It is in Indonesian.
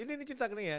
ini cerita kenyanya